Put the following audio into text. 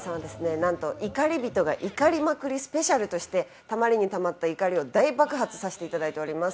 怒り人が怒りまくりスペシャルとしてたまりに溜まった怒りを大爆発させていただいています。